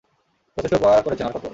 যথেষ্ট উপকার করেছেন, আর কত?